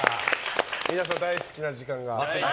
皆さん大好きな時間が。